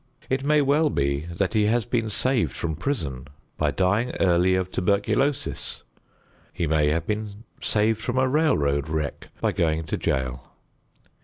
It may well be that he has been saved from prison by dying early of tuberculosis. He may have been saved from a railroad wreck by going to jail.